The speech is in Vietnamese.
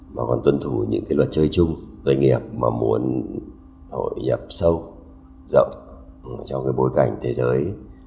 mà còn tuân thủ những cái luật chơi chung doanh nghiệp mà muốn hội nhập sâu rộng trong cái bối cảnh thế giới